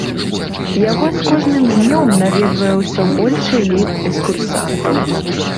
Яго з кожным днём наведвае ўсё большы лік экскурсантаў.